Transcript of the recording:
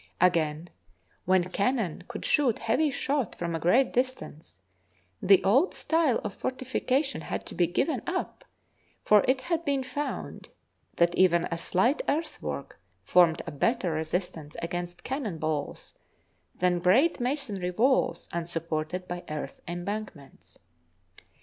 Again, when cannon could shoot heavy shot from a great distance, the old style of fortification had to be given up, for it had been found that even a slight earthwork formed a better resistance against cannon balls than great masonry walls unsupport ed by earth embankments.